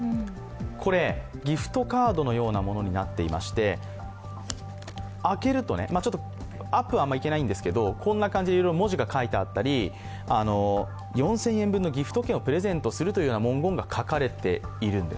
これギフトカードのようなものになっていまして、開けると、こんな感じでいろいろ文字が書いてあったり４０００円分のギフト券をプレゼントするという文言が書かれているんです。